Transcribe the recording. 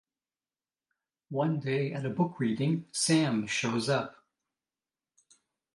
One day at a book reading Sam shows up.